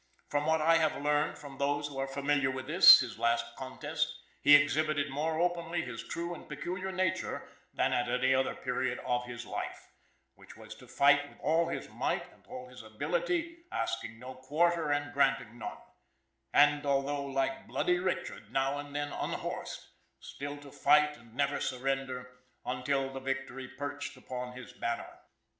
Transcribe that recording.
From what I have learned from those who are familiar with this, his last contest, he exhibited more openly his true and peculiar nature, than at any other period of his life which was to fight with all his might and all his ability, asking no quarter and granting none; and although like bloody Richard now and then unhorsed, still to fight and never surrender, until victory perched upon his banner."